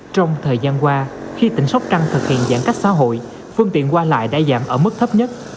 trong thời gian qua khi tỉnh sóc trăng thực hiện giãn cách xã hội phương tiện qua lại đã giảm ở mức thấp nhất